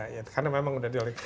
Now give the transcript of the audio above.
ya karena memang udah di holding